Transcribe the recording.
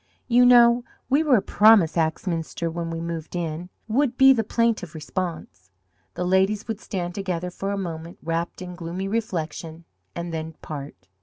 "You know we were promised Axminster when we moved in," would be the plaintive response. The ladies would stand together for a moment wrapped in gloomy reflection, and then part.